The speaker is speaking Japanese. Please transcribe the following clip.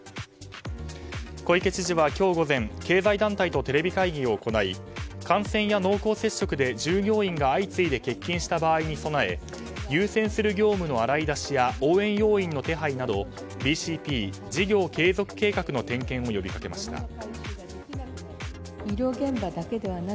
小池知事は今日午前経済団体とテレビ会談を行い感染や濃厚接触で従業員が相次いで欠勤した場合に備え優先する業務の洗い出しや応援要員の手配などＢＣＰ・事業計画計画の点検を呼びかけました。